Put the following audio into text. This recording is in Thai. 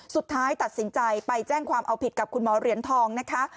สุดท้ายตัดสินใจไปแจ้งความเอาผิดกับคุณหมอเหรียญทองนะคะ